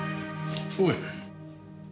おい。